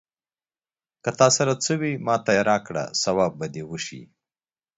که تا سره څه وي، ماته يې راکړه ثواب به دې وشي.